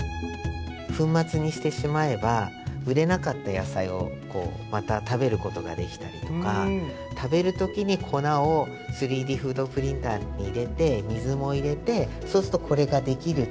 粉末にしてしまえば売れなかった野菜をまた食べることができたりとか食べる時に粉を３Ｄフードプリンターに入れて水も入れてそうするとこれができるっていうふうにしたいんですね。